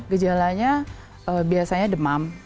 gejalanya biasanya demam